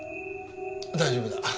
大丈夫だ。